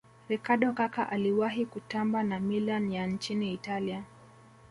ricardo kaka aliwahi kutamba na milan ya nchini italia